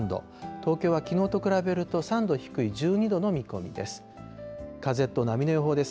東京はきのうと比べると３度低い１２度の見込みです。